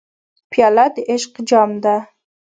پیاله د عشق جام ده.